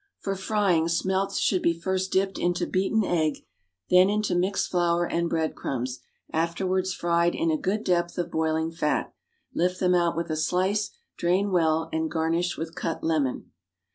For frying, smelts should be first dipped into beaten egg, then into mixed flour and breadcrumbs, afterwards fried in a good depth of boiling fat. Lift them out with a slice, drain well, and garnish with cut lemon.